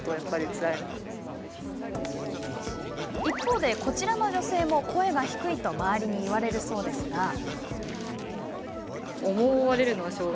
一方、こちらの女性も声が低いと周りに言われるそうなんですが。